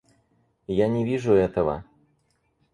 Я не вижу этого.